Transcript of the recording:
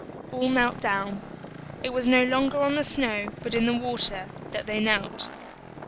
All knelt down. It was no longer on the snow, but in the water, that they knelt.